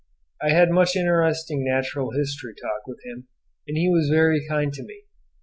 I had much interesting natural history talk with him, and he was very kind to me.